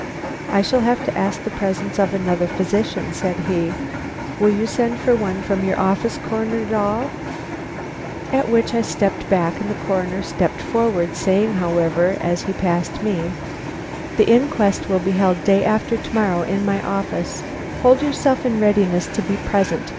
"I shall have to ask the presence of another physician," said he. "Will you send for one from your office, Coroner Dahl?" At which I stepped back and the Coroner stepped forward, saying, however, as he passed me: "The inquest will be held day after to morrow in my office. Hold yourself in readiness to be present.